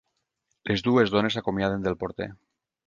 Les dues dones s'acomiaden del porter.